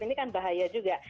ini kan bahaya juga